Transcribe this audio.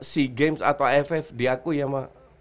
si games atau ff diakui sama